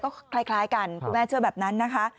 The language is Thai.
ก็คล้ายกันคุณแม่เชื่อแบบนั้นนะคะ